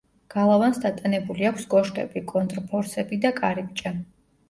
გალავანს დატანებული აქვს კოშკები, კონტრფორსები და კარიბჭე.